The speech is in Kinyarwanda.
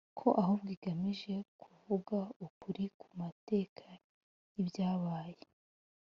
ko ahubwo igamije kuvuga ukuri ku mateka y’ibyabaye